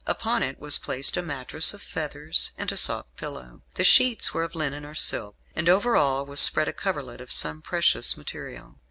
Upon it was placed a mattress of feathers, and a soft pillow. The sheets were of linen or silk, and over all was spread a coverlet of some precious material.